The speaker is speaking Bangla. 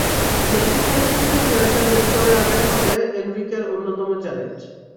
মেসির কাছ থেকে সেরাটা বের করে আনাই হবে এনরিকের অন্যতম চ্যালেঞ্জ।